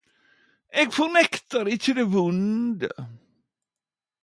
Eg fornektar ikkje det vonde